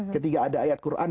ketika ada ayat quran